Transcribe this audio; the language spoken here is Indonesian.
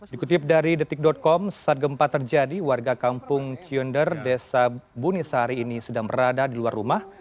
dikutip dari detik com saat gempa terjadi warga kampung cionder desa bunisari ini sedang berada di luar rumah